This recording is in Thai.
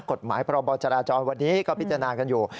กฎหมายพรบจราจรวันนี้ก็พิจารณากันอยู่